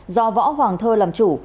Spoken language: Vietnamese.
do võ hoàng thơ làm chủ